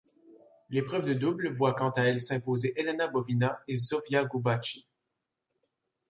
L'épreuve de double voit quant à elle s'imposer Elena Bovina et Zsofia Gubacsi.